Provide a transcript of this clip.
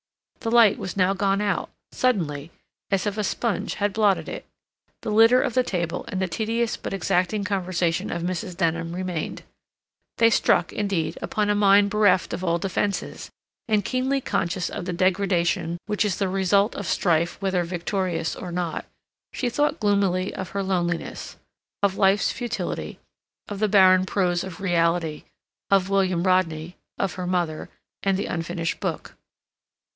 The light was now gone out, suddenly, as if a sponge had blotted it. The litter of the table and the tedious but exacting conversation of Mrs. Denham remained: they struck, indeed, upon a mind bereft of all defences, and, keenly conscious of the degradation which is the result of strife whether victorious or not, she thought gloomily of her loneliness, of life's futility, of the barren prose of reality, of William Rodney, of her mother, and the unfinished book.